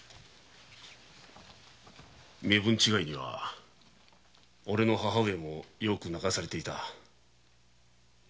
身分違いにはオレの母上もよく泣かされていた。